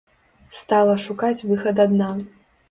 Стала шукаць выхад адна.